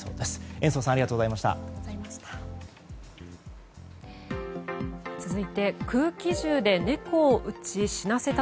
延増さんありがとうございました。